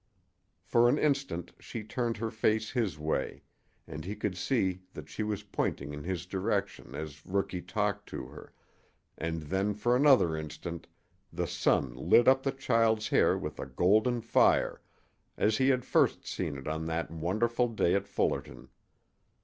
For an instant she turned her face his way, and he could see that she was pointing in his direction as Rookie talked to her, and then for another instant the sun lit up the child's hair with a golden fire, as he had first seen it on that wonderful day at Fullerton.